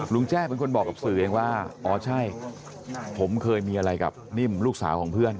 แจ้เป็นคนบอกกับสื่อเองว่าอ๋อใช่ผมเคยมีอะไรกับนิ่มลูกสาวของเพื่อน